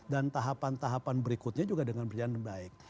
dan tahapan tahapan berikutnya juga dengan berjalan baik